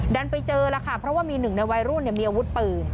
ดันไปเจอแล้วค่ะเพราะว่ามีหนึ่งในวัยรุ่นมีอาวุธปืน